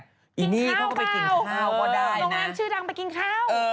กินข้าวเปล่าโรงแรมชื่อดังไปกินข้าว